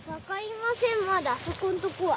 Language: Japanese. まだそこんとこは。